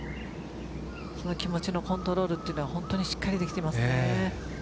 その気持ちのコントロールが本当にしっかりできてますね。